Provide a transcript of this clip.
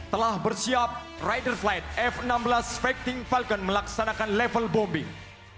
telah bersiap rider flight f enam belas fighting falcon melaksanakan level bombing